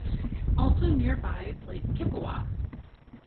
Also nearby is Lake Kipawa.